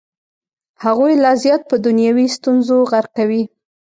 هغوی لا زیات په دنیوي ستونزو غرقوي.